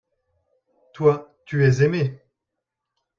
toi, tu es aimé.